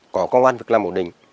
có công an việc làm ổn định